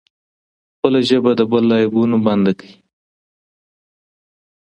خپله ژبه د بل له عیبونو بنده کړئ.